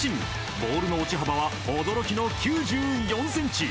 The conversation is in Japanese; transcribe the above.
ボールの落ち幅は驚きの９４ｃｍ！